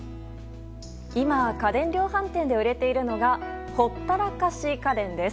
今、家電量販店で売れているのがほったらかし家電です。